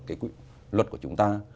cái quy luật của chúng ta